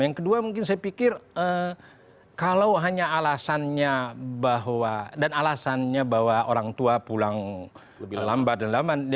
yang kedua mungkin saya pikir kalau hanya alasannya bahwa dan alasannya bahwa orang tua pulang lebih lambat dan lambat